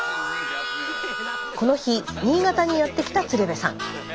この日新潟にやって来た鶴瓶さん。